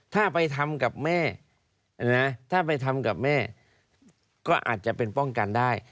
ถ้าไปทำกับแม่นะถ้าไปทำกับแม่ก็อาจจะเป็นป้องกันได้